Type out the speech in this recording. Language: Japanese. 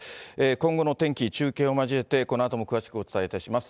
今後の天気、中継を交えてこのあとも詳しくお伝えいたします。